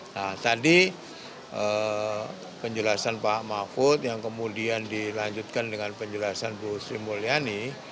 nah tadi penjelasan pak mahfud yang kemudian dilanjutkan dengan penjelasan bu sri mulyani